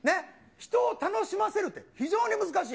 人を楽しませるって非常に難しい。